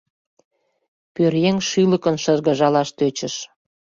Пӧръеҥ шӱлыкын шыргыжалаш тӧчыш: